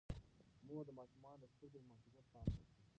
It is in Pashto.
مور د ماشومانو د سترګو د محافظت پام ساتي.